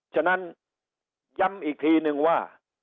ฉะนั้นย้ำอีกทีนึงว่า